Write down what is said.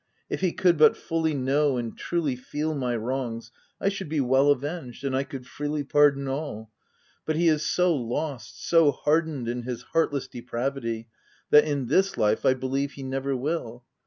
if he could but fully know and truly feel my wrongs, I should be well avenged ; and I could freely pardon all ; but he is so lost, so hardened in his heartless depravity that, in this life, I be OF WILDFELL HALL. 305 lieve he never will.